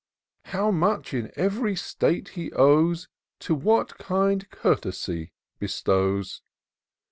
How much in every state he owes To what kind Courtesy bestows